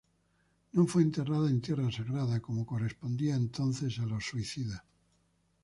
No fue enterrada en tierra sagrada, como correspondía entonces a los suicidas.